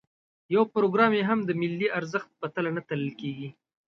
یو پروګرام یې هم د ملي ارزښت په تله نه تلل کېږي.